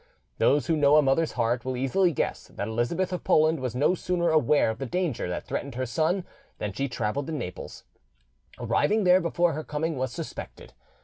Those who know a mother's heart will easily guess that Elizabeth of Poland was no sooner aware of the danger that threatened her son than she travelled to Naples, arriving there before her coming was suspected.